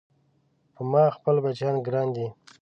په ما خپل بچيان ګران دي